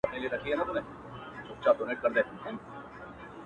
زه دي نه پرېږدم ګلابه چي یوازي به اوسېږې -